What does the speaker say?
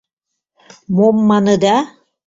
— Мом маныда?